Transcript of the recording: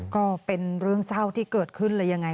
ก็เป็นเรื่องเศร้าที่เกิดขึ้นเลยยังไง